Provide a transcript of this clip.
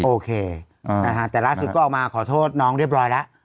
โอเคอ่าฮะแต่ละก็ออกมาขอโทษน้องเรียบร้อยละ